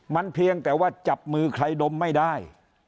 มันเพียงแต่ว่าจับมือใครดมไม่ได้